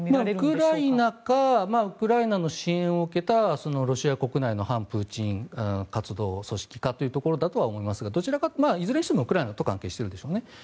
ウクライナかウクライナの支援を受けたロシア国内の反プーチン活動組織家というところだと思いますがいずれにしてもウクライナと関係しているでしょうね。